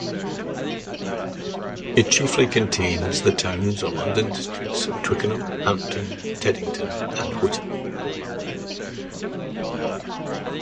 It chiefly contains the towns or London districts of Twickenham, Hampton, Teddington and Whitton.